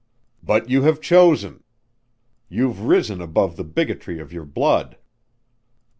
"But you have chosen! You've risen above the bigotry of your blood!"